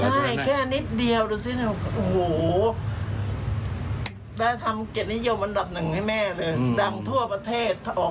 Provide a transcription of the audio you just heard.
ใช่แค่นิดเดียวดูสินะโห